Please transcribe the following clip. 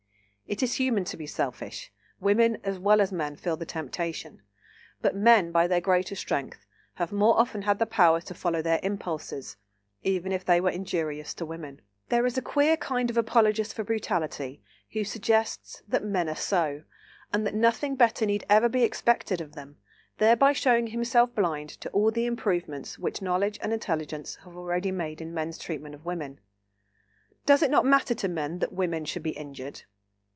It is human to be selfish; women as well as men feel the temptation; but men, by their greater strength, have more often had the power to follow their impulses, even if they were injurious to women. There is a queer kind of apologist for brutality, who suggests that "men are so," and that nothing better need ever be expected of them, thereby showing himself blind to all the improvements which knowledge and intelligence have already made in men's treatment of women. Does it not matter to men that women should be injured?